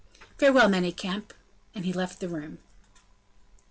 Farewell, Manicamp," and he left the room.